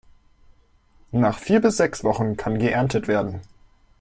Nach vier bis sechs Wochen kann geerntet werden.